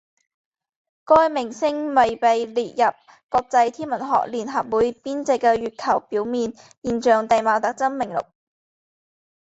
该名称未被列入国际天文学联合会编制的月球表面现代地貌特征名录。